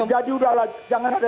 jadi udahlah jangan ada